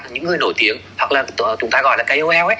những người nổi tiếng hoặc là chúng ta gọi là kol